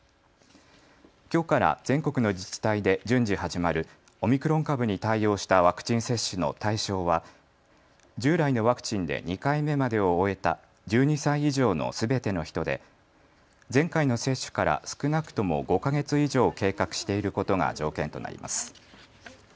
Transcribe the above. きょうから全国の自治体で順次始まるオミクロン株に対応したワクチン接種の対象は従来のワクチンで２回目までを終えた１２歳以上のすべての人で前回の接種から少なくとも５か月以上、経過していることが条件となります。